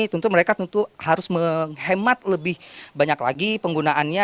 tentu mereka tentu harus menghemat lebih banyak lagi penggunaannya